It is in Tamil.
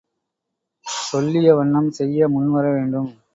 சொல்லியவண்ணம் செய்ய முன்வர வேண்டும்.